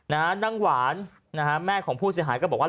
นางหวานนะฮะแม่ของผู้เสียหายก็บอกว่า